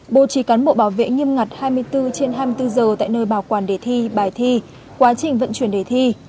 bố trì cán bộ bảo vệ nghiêm ngặt hai mươi bốn trên hai mươi bốn giờ tại nơi bảo quản đề thi bài thi quá trình vận chuyển đề thi